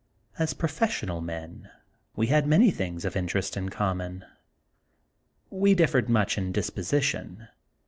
As professional men we had many things of interest in common. We differed much in disposition.